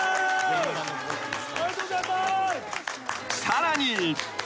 ［さらに］